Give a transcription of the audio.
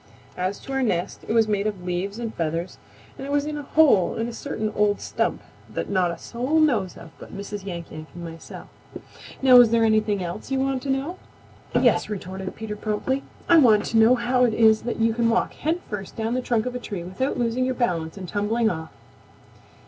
As to our nest, it was made of leaves and feathers and it was in a hole in a certain old stump that not a soul knows of but Mrs. Yank Yank and myself. Now is there anything else you want to know?" "Yes," retorted Peter promptly. "I want to know how it is that you can walk head first down the trunk of a tree without losing your balance and tumbling off."